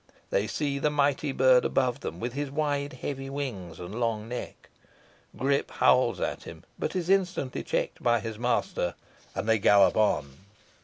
They see the mighty bird above them, with his wide heavy wings and long neck. Grip howls at him, but is instantly checked by his master, and they gallop on.